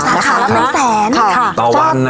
ต่อวันนะ